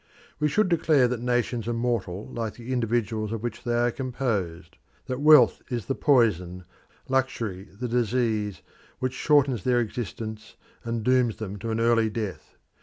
We should declare that nations are mortal like the individuals of which they are composed; that wealth is the poison, luxury the disease, which shortens their existence and dooms them to an early death.